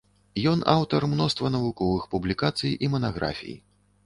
Ён аўтар мноства навуковых публікацый і манаграфій.